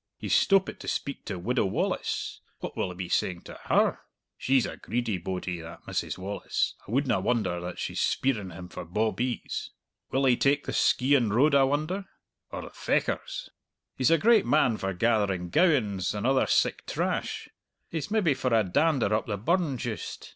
"He's stoppit to speak to Widow Wallace. What will he be saying to her?" "She's a greedy bodie that Mrs. Wallace: I wouldna wonder but she's speiring him for bawbees." "Will he take the Skeighan Road, I wonder?" "Or the Fechars?" "He's a great man for gathering gowans and other sic trash. He's maybe for a dander up the burn juist.